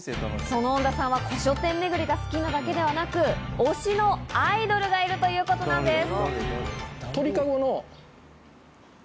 その恩田さんは古書店めぐりが好きなだけではなく、推しのアイドルがいるということなんです。